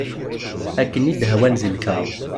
Akken i d-hwan deg lkar.